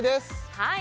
はい